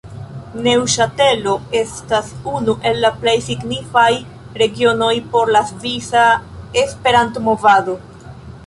Neŭŝatelo estas unu el la plej signifaj regionoj por la svisa Esperanto-movado.